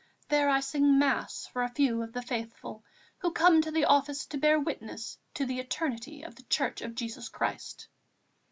There I sing Mass for a few of the faithful, who come to the office to bear witness to the eternity of the Church of Jesus Christ."